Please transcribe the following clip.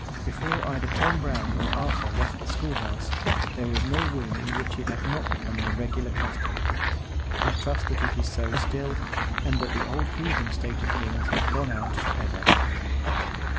Before either Tom Brown or Arthur left the School house, there was no room in which it had not become the regular custom. I trust it is so still, and that the old heathen state of things has gone out for ever.